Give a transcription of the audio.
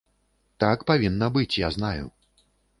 Так павінна быць, я знаю.